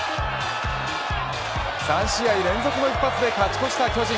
３試合連続の一発で勝ち越した巨人。